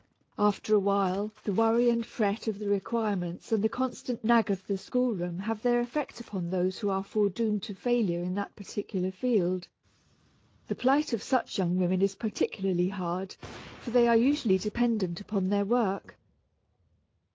After a while the worry and fret of the requirements and the constant nag of the schoolroom have their effect upon those who are foredoomed to failure in that particular field. The plight of such young women is particularly hard, for they are usually dependent upon their work.